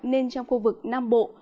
nên trong khu vực nam bộ